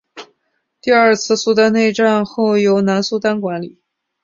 第二次苏丹内战后由南苏丹管理。